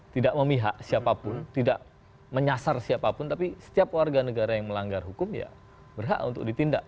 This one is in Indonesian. tidak memihak siapapun tidak menyasar siapapun tapi setiap warga negara yang melanggar hukum ya berhak untuk ditindak